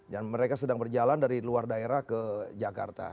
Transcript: dan mereka sedang berjalan dari luar daerah ke jakarta